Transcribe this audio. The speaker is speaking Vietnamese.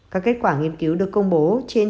các kết quả nghiên cứu được công bố trên